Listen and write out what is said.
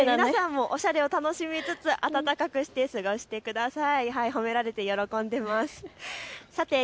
皆さんもおしゃれを楽しみつつ暖かくして過ごしてください。